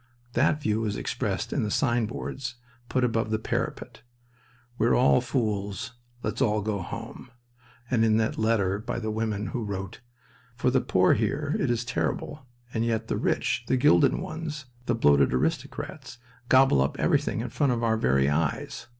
That view was expressed in the signboards put above the parapet, "We're all fools: let's all go home"; and in that letter by the woman who wrote: "For the poor here it is terrible, and yet the rich, the gilded ones, the bloated aristocrats, gobble up everything in front of our very eyes...